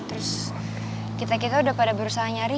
terus kita kita udah pada berusaha nyari